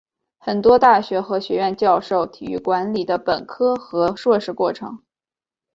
很多大学和学院教授体育管理的本科和硕士课程。